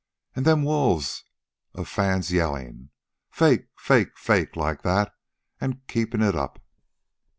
"An' them wolves of fans yellin': 'Fake! Fake! Fake!' like that, an' keepin' it up.